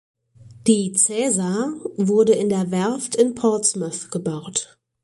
Die "Caesar" wurde in der Werft in Portsmouth gebaut.